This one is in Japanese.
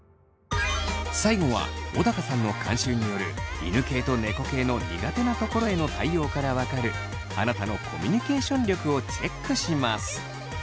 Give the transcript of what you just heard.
最後は小高さんの監修による犬系と猫系の苦手なところへの対応から分かるあなたのコミュニケーション力をチェックします。